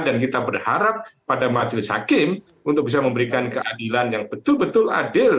kita berharap pada majelis hakim untuk bisa memberikan keadilan yang betul betul adil